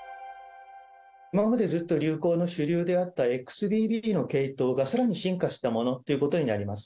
今までずっと流行の主流であったＸＢＢ．の系統がさらに進化したものっていうことになります。